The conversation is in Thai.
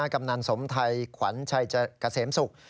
กำนันสมไทยขวัญชัยกะเสมสุก